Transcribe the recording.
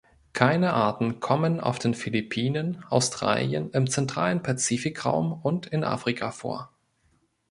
Keine Arten kommen auf den Philippinen, Australien, im zentralen Pazifikraum und in Afrika vor.